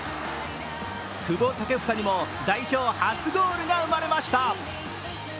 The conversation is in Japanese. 久保建英にも代表初ゴールが生まれました。